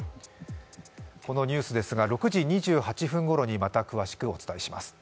このニュースですが６時２８分ごろに、また詳しくお伝えします。